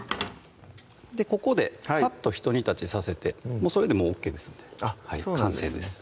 ここでさっと一煮立ちさせてそれでもうＯＫですのでそうなんですね